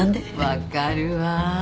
わかるわ。